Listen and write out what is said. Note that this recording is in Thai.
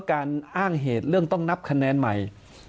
การอ้างเหตุเรื่องต้องนับคะแนนใหม่